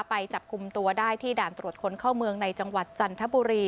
ไปจับกลุ่มตัวได้ที่ด่านตรวจคนเข้าเมืองในจังหวัดจันทบุรี